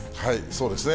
そうですね。